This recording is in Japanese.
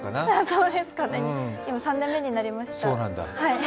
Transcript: そうですかね、今３年目になりました。